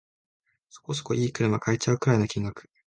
そこそこ良い車買えちゃうくらいの金額